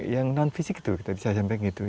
yang non fisik itu tadi saya sampaikan gitu